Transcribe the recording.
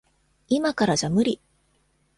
いまからじゃ無理。